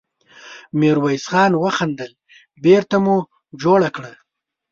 ميرويس خان وخندل: بېرته مو جوړه کړه!